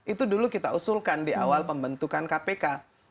itu dulu kita usulkan di awal pembentukan kpk